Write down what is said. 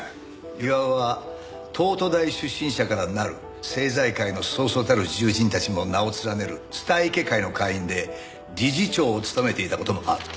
巌は東都大出身者からなる政財界のそうそうたる重鎮たちも名を連ねる蔦池会の会員で理事長を務めていた事もある。